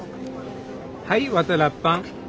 はいワタラッパン。